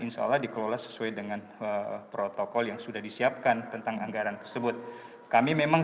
insya allah dikelola sesuai dengan protokol yang sudah disiapkan tentang anggaran tersebut kami memang